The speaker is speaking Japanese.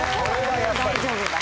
大丈夫だ。